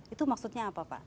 itu maksudnya apa pak